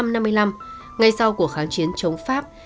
năm một nghìn chín trăm năm mươi năm ngày sau của kháng chiến chống pháp